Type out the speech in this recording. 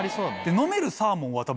飲めるサーモンは。